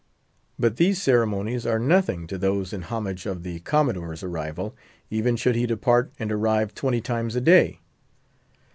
But these ceremonies are nothing to those in homage of the Commodore's arrival, even should he depart and arrive twenty times a day.